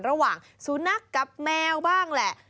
ระหว่างสุนักกับแมวบ้างแหละ